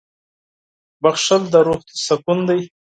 • بښل د روح سکون دی.